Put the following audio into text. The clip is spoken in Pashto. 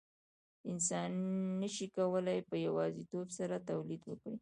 انسان نشي کولای په یوازیتوب سره تولید وکړي.